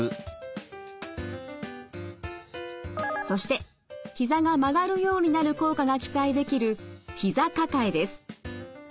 そしてひざが曲がるようになる効果が期待できるひざ抱えです。